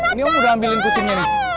ini om udah ambilin kucingnya nih